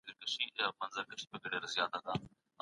فردي ځواکونه ګډېږي او لوی سياسي قدرت جوړوي.